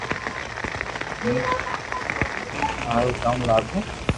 ھون ٿاريو ڪاوُ لاگو